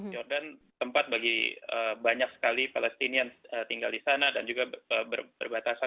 jordan tempat bagi banyak sekali palestinian tinggal di sana dan juga berbatasan